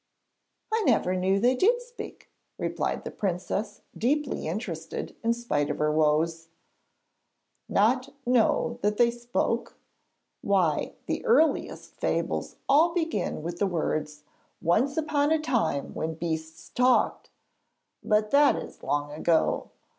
[Illustration: THE PRINCESS OF BABYLON AND THE PHOENIX] 'I never knew they did speak,' replied the Princess, deeply interested in spite of her woes. 'Not know that they spoke? Why, the earliest fables all begin with the words "Once upon a time when beasts talked," but that is long ago!